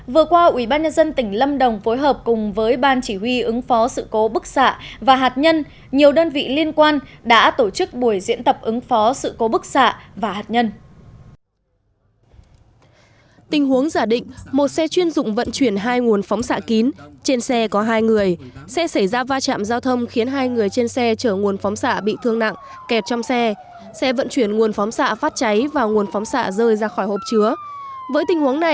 vừa qua ủy ban nhân dân tỉnh lâm đồng phối hợp cùng với ban chỉ huy ứng phó sự cố bức xạ và hạt nhân